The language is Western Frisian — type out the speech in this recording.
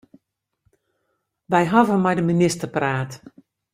Wy hawwe mei de minister praat.